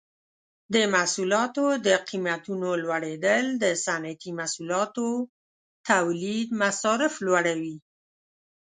د محصولاتو د قیمتونو لوړیدل د صنعتي محصولاتو تولید مصارف لوړوي.